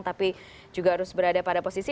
tapi juga harus berada pada posisi